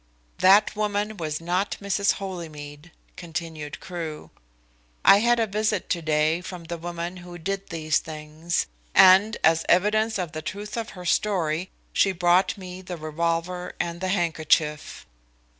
"That woman was not Mrs. Holymead," continued Crewe. "I had a visit to day from the woman who did these things, and as evidence of the truth of her story she brought me the revolver and the handkerchief."